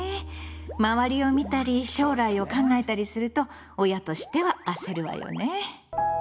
周りを見たり将来を考えたりすると親としては焦るわよね。